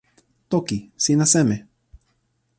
toki. sina seme?